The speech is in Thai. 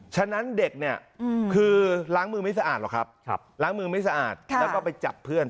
ฉะนั้นเด็กคือล้างมือไม่สะอาดแล้วก็ไปจับเพื่อน